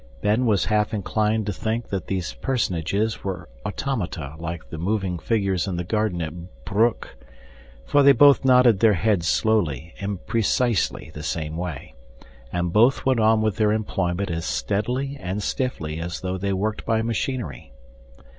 Ben was half inclined to think that these personages were automata like the moving figures in the garden at Broek; for they both nodded their heads slowly, in precisely the same way, and both went on with their employment as steadily and stiffly as though they worked by machinery.